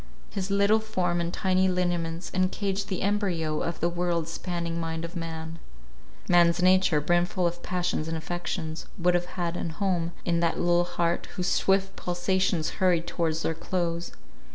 His little form and tiny lineaments encaged the embryo of the world spanning mind of man. Man's nature, brimful of passions and affections, would have had an home in that little heart, whose swift pulsations hurried towards their close.